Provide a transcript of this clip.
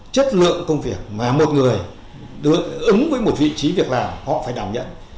chất lượng công việc mà một người được ứng với một vị trí việc làm họ phải đảm nhận